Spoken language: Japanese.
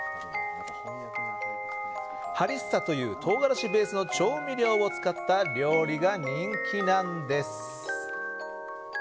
ハリッサという唐辛子ベースの調味料を使った料理が人気なんです。